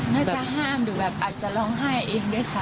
น่าจะห้ามหรือแบบอาจจะร้องไห้เองด้วยซ้ำ